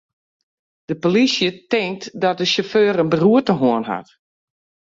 De polysje tinkt dat de sjauffeur in beroerte hân hat.